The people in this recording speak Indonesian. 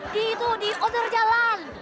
di itu di order jalan